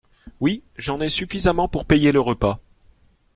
Oui, j’en ai suffisamment pour payer le repas.